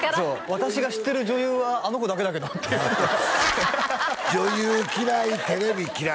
「私が知ってる女優はあの子だけだけど」って女優嫌いテレビ嫌い